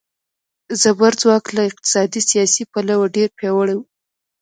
زبرځواک له اقتصادي، سیاسي پلوه ډېر پیاوړي وي.